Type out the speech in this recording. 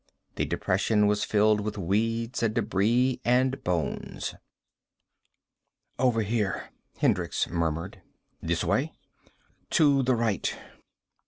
The depression was filled with weeds and debris and bones. "Over here," Hendricks murmured. "This way?" "To the right."